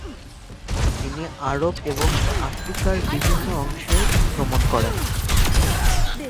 তিনি আরব এবং আফ্রিকার বিভিন্ন অংশে ভ্রমণ করেন।